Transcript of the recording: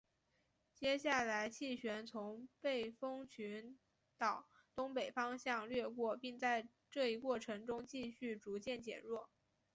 接下来气旋从背风群岛东北方向掠过并在这一过程中继续逐渐减弱。